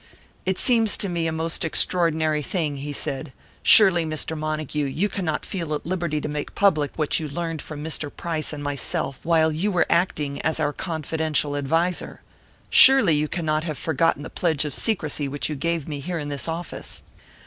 "It seems to me a most extraordinary thing," he said. "Surely, Mr. Montague, you cannot feel at liberty to make public what you learned from Mr. Price and myself while you were acting as our confidential adviser! Surely you cannot have forgotten the pledge of secrecy which you gave me here in this office!"